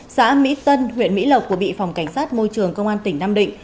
xã mỹ tân huyện mỹ lộc vừa bị phòng cảnh sát môi trường công an tỉnh nam định